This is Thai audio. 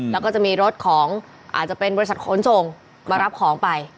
แล้วก็จะมีรถของอาจจะเป็นบริษัทขนส่งมารับของไป